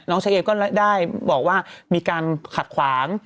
เชมก็ได้บอกว่ามีการขัดขวาง